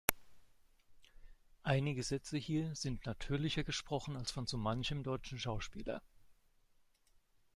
Einige Sätze hier sind natürlicher gesprochen als von so manchem deutschen Schauspieler.